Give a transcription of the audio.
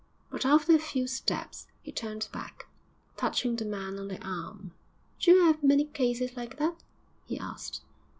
But after a few steps he turned back, touching the man on the arm. 'D'you 'ave many cases like that?' he asked.